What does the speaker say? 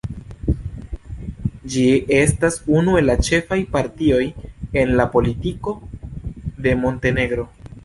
Ĝi estas unu el ĉefaj partioj en la politiko de Montenegro.